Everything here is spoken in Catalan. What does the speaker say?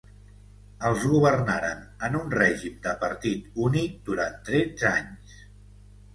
Els governaren en un règim de partit únic durant tretze anys.